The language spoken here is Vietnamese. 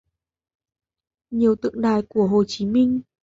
nhiều tượng đài của Hồ Chí Minh